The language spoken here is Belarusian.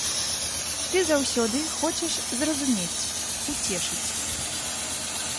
Ты заўсёды хочаш зразумець, уцешыць.